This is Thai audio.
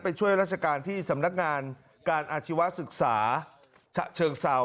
ช่วยราชการที่สำนักงานการอาชีวศึกษาเชิงเศร้า